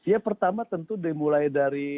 ya pertama tentu dimulai dari